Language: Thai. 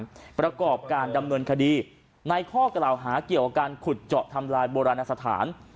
ประกอบการดำเนินคดีในข้อกล่าวหาเกี่ยวกับการขุดเจาะทำลายโบราณสถาน